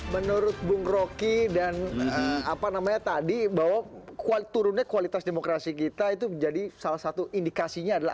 menurut bung rocky dan apa namanya tadi bahwa turunnya kualitas demokrasi kita itu menjadi salah satu indikasinya adalah